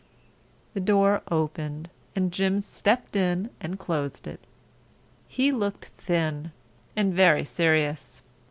The door opened and Jim stepped in and closed it. He looked thin and very serious.